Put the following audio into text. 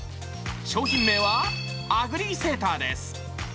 商品名は、アグリーセーターです。